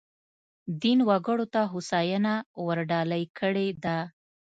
دین وګړو ته هوساینه ورډالۍ کړې ده.